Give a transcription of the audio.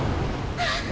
あっ